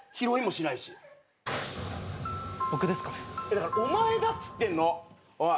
だからお前だっつってんのおい。